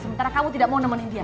sementara kamu tidak mau nemenin dia